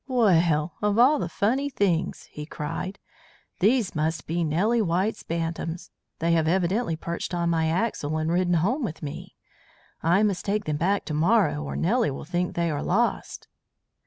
"Well, of all the funny things!" he cried. "These must be Nellie White's bantams. They have evidently perched on my axle and ridden home with me. I must take them back to morrow, or Nellie will think they are lost."